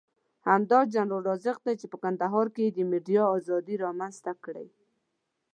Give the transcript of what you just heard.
همدا جنرال رازق دی چې په کندهار کې یې د ميډيا ازادي رامنځته کړې.